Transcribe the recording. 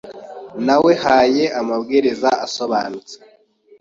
Nawehaye amabwiriza asobanutse.